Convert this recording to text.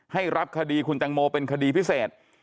ให้รับคดีคุณตังโมเป็นคดีพิเศษ